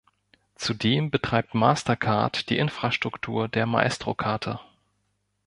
Zudem betreibt Mastercard die Infrastruktur der Maestro-Karte.